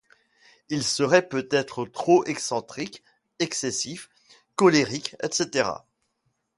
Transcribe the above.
Il serait peut être trop excentrique, excessif, colérique, etc.